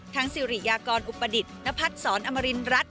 สิริยากรอุปดิตนพัฒน์สอนอมรินรัฐ